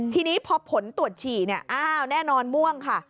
ทีนี้พอผลตรวจฉี่แน่นอนม่วงค่ะ